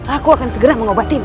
aku akan segera mengobatinya